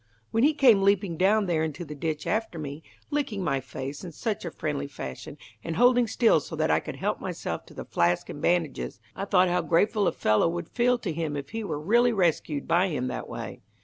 When he came leaping down there into the ditch after me, licking my face in such a friendly fashion and holding still so that I could help myself to the flask and bandages, I thought how grateful a fellow would feel to him if he were really rescued by him that way.